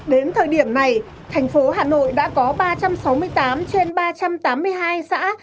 đến thời điểm này thành phố hà nội đã có ba trăm sáu mươi tám trên ba trăm tám mươi hai xã